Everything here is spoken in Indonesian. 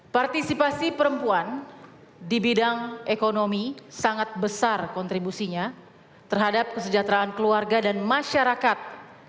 partisipasi perempuan di bidang ekonomi sangat besar kontribusinya terhadap kesejahteraan keluarga dan masyarakat